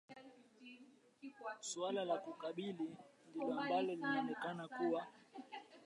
suala la ukabila ndilo ambalo linaonekana kuwa